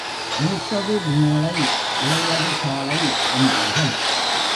மூத்தது மோழை, இளையது காளை என்பார்கள்.